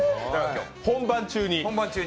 本番中に！